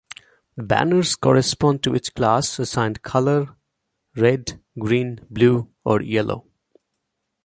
The banners correspond to each class' assigned color, red, green, blue or yellow.